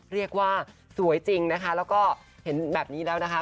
เรียกว่าสวยจริงนะคะแล้วก็เห็นแบบนี้แล้วนะคะ